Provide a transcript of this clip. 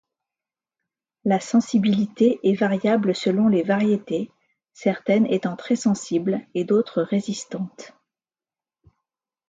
La sensibilité est variable selon les variétés, certaines étant très sensibles et d'autres résistantes.